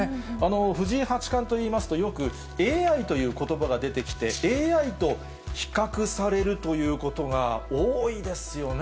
藤井八冠といいますと、よくＡＩということばが出てきて、ＡＩと比較されるということが多いですよね。